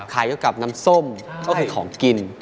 เกี่ยวกับน้ำส้มก็คือของกิน